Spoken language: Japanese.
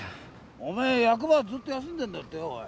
お前役場ずっと休んでんだっておい？